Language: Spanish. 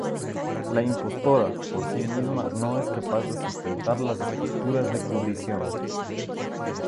La imposta, por sí misma, no es capaz de sustentar las estructuras de cubrición.